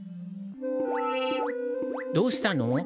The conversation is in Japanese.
どうしたの？